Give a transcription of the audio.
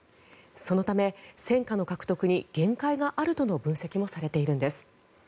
そのため戦果の獲得に限界があるとの分析もされているんです。